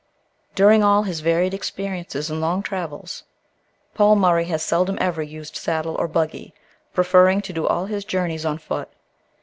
During all his varied experiences and long travels, Paul Murray has seldom ever used saddle or buggy, preferring to do all his journeys on foot.